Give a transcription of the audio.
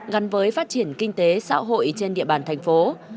gắn với phát triển kinh tế xã hội trên địa bàn tp hcm